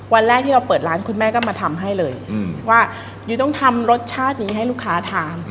วันแรกที่เราเปิดร้านคุณแม่ก็มาทำให้เลยว่ายุ้ยต้องทำรสชาตินี้ให้ลูกค้าทาน